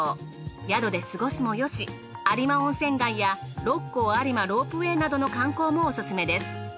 宿で過ごすもよし有馬温泉街や六甲有馬ロープウェイなどの観光もオススメです。